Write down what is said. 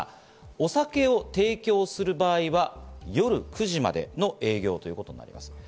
お酒を提供する場合は夜９時までの営業となります。